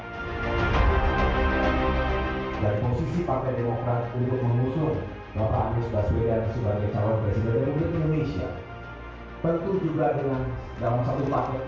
dari posisi partai demokrat untuk mengusung saudara anies rashid baswedan sebagai calon presiden republik indonesia